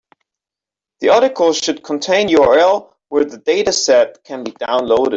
The article should contain URL where the dataset can be downloaded.